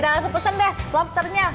udah langsung pesen deh lobsternya